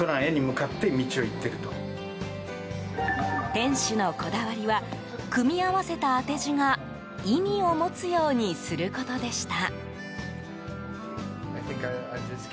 店主のこだわりは組み合わせた当て字が意味を持つようにすることでした。